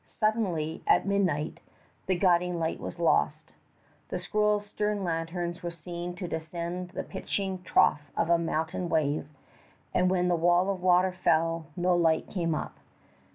Suddenly, at midnight, the guiding light was lost. The Squirrel's stern lanterns were seen to descend the pitching trough of a mountain wave, and when the wall of water fell, no light came up.